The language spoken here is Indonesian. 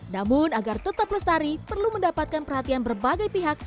namun agar tetap lestari perlu mendapatkan perhatian berbagai pihak